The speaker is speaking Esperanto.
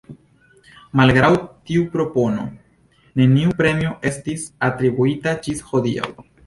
Malgraŭ tiu propono, neniu premio estis atribuita ĝis hodiaŭ.